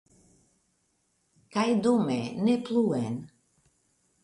Kaj dume, nu pluen!